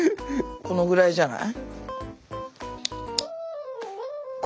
このぐらいじゃない？